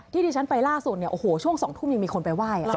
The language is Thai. ที่ที่ฉันไปล่าสุดเนี่ยโอ้โหช่วง๒ทุ่มยังมีคนไปไหว้